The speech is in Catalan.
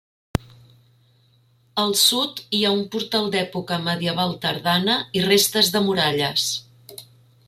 Al sud hi ha un portal d'època medieval tardana i restes de muralles.